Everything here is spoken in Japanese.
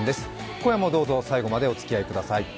今夜もどうぞ最後までおつきあいください。